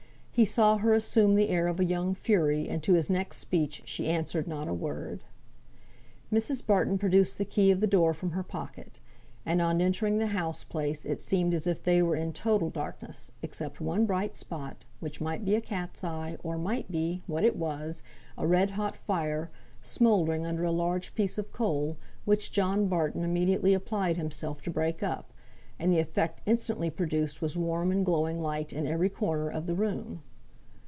He saw her assume the air of a young fury, and to his next speech she answered not a word. Mrs. Barton produced the key of the door from her pocket; and on entering the house place it seemed as if they were in total darkness, except one bright spot, which might be a cat's eye, or might be, what it was, a red hot fire, smouldering under a large piece of coal, which John Barton immediately applied himself to break up, and the effect instantly produced was warm and glowing light in every corner of the room.